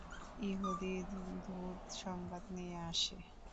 ইহুদী দূত সংবাদ নিয়ে আসে।